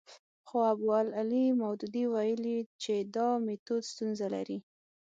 خو ابوالاعلی مودودي ویلي چې دا میتود ستونزه لري.